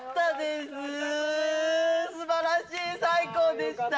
すばらしい、最高でした。